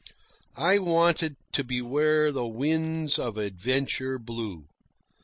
I wanted to be where the winds of adventure blew.